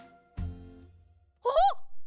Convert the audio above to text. あっ！